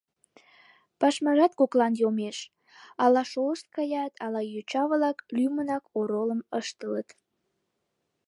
Пашмажат коклан йомеш: ала шолышт каят, ала йоча-влак лӱмынак оролым ыштылыт.